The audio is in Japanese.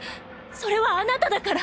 それはあなただから。